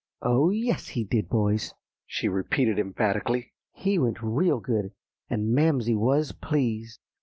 "Oh, yes he did, boys!" she repeated emphatically; "he went real good, and Mamsie was pleased."